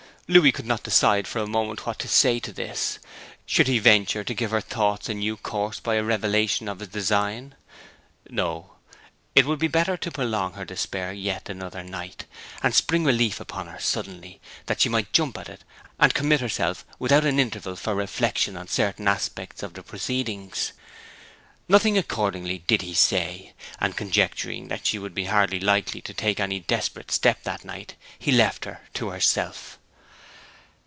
Louis could not decide for a moment what to say to this. Should he venture to give her thoughts a new course by a revelation of his design? No: it would be better to prolong her despair yet another night, and spring relief upon her suddenly, that she might jump at it and commit herself without an interval for reflection on certain aspects of the proceeding. Nothing, accordingly, did he say; and conjecturing that she would be hardly likely to take any desperate step that night, he left her to herself.